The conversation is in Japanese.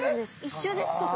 一緒ですか？